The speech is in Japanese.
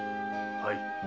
はい。